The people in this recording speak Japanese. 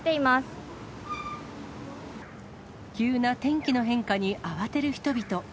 急な天気の変化に慌てる人々。